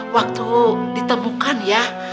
waktu ditemukan ya